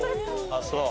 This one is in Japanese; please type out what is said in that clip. あっそう。